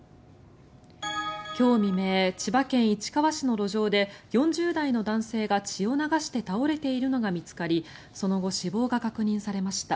今日未明千葉県市川市の路上で４０代の男性が、血を流して倒れているのが見つかりその後、死亡が確認されました。